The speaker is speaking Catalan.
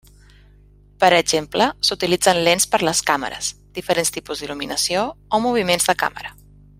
Per exemple, s'utilitzen lents per les càmeres, diferents tipus d'il·luminació o moviments de càmera.